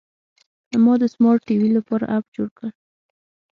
ما د سمارټ ټي وي لپاره اپ جوړ کړ.